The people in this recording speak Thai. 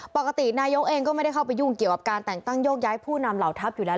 ปกตินายกเองก็ไม่ได้เข้าไปยุ่งเกี่ยวกับการแต่งตั้งโยกย้ายผู้นำเหล่าทัพอยู่แล้ว